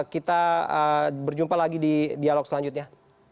kita berjumpa lagi di dialog selanjutnya